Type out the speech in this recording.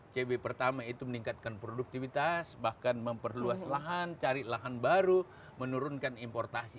cb pertama itu meningkatkan produktivitas bahkan memperluas lahan cari lahan baru menurunkan importasi